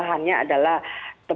akhirnya yoga pakai lagi tom